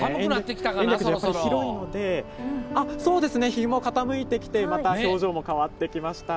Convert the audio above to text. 日も傾いてきてまた表情も変わってきました。